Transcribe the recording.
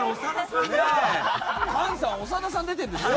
簡さん、長田さんが出てるんですね。